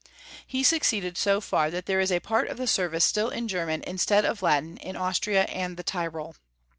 He succeeded so far that there is a part of the service still in German instead of Latin in Austria and the Tyrol.